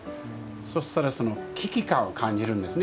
そしたら、危機感を感じるんですね。